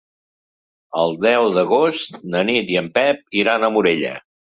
El deu d'agost na Nit i en Pep iran a Morella.